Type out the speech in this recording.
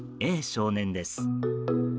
少年です。